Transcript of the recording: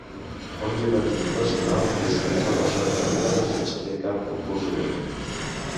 Un jurat internacional decideix la persona premiada, sense fer cap concurs obert.